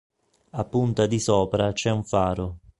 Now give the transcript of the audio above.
A punta di Sopra c'è un faro.